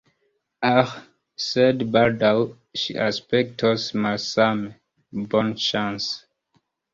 Aĥ, sed baldaŭ ŝi aspektos malsame, bonŝance!